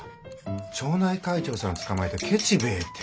町内会長さんつかまえてケチ兵衛て。